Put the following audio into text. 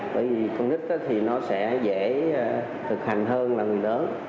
bởi vì con nít thì nó sẽ dễ thực hành hơn là người lớn